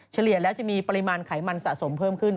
เฉลี่ยแล้วจะมีปริมาณไขมันสะสมเพิ่มขึ้น